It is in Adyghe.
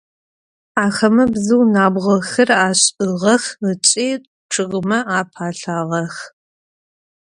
Axeme bzıu nabğoxer aş'ığex ıç'i ççıgme apalhağex.